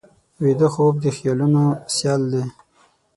ویده خوب د خیالونو سیل دی